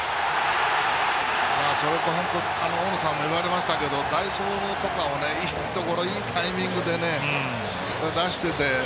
大野さんも言われましたけど代走とかをいいところいいタイミングで出してて。